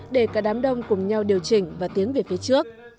để cả đám đông cùng nhau điều chỉnh và tiến về phía trước